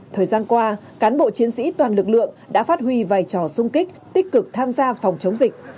thời gian qua cán bộ chiến sĩ toàn lực lượng đã phát huy vai trò sung kích tích cực tham gia phòng chống dịch